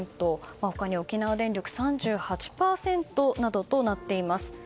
他には沖縄電力３８％などとなっています。